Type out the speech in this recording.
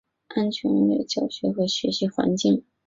安全无虞的教学和学习环境